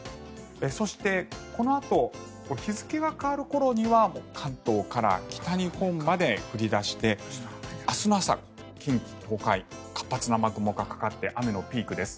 そして、このあと日付が変わる頃には関東から北日本まで降り出して明日の朝、近畿・東海活発な雨雲がかかって雨のピークです。